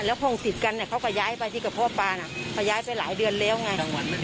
แล้วห้องติดกันเขาก็ย้ายไปที่กระเพาะปลาน่ะเขาย้ายไปหลายเดือนแล้วไง